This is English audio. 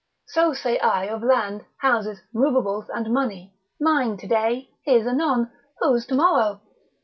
So say I of land, houses, movables and money, mine today, his anon, whose tomorrow?